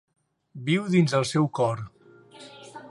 Viu dins el seu cor.